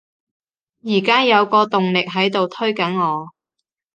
而家有個動力喺度推緊我